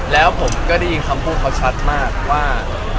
แล้วผมก็ได้ยินคำพูดเขาชัดมากว่า